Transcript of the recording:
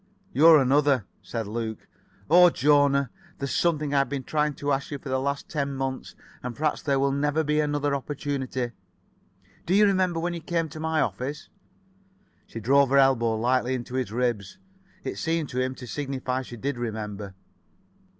"You're another," said Luke. "Oh, Jona. There's something I've been trying to ask you for the last ten months, and perhaps there will never be another opportunity. Do you remember when you came to my office?" She drove her elbow lightly into his ribs. It seemed to him to signify she did remember.